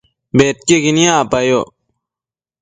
bedquiequi niacpayoc